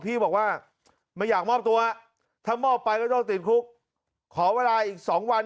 พี่บอกว่าไม่อยากมอบตัวถ้ามอบไปก็ต้องติดคุกขอเวลาอีก๒วัน